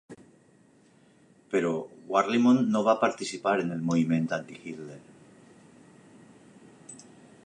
Però Warlimont no va participar en el moviment anti-Hitler.